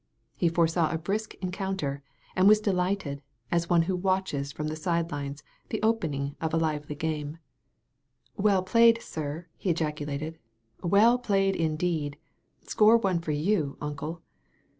He foresaw a brisk encounter, and was delighted, as one who watches from the side lines the opening of a lively game. 186 . A CLASSIC INSTANCE Well played, sir, he ejaculated; "well played, indeed. Score one for you. Uncle."